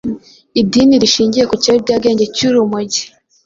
Idini rishingiye ku kiyobyabwenge cy’urumogi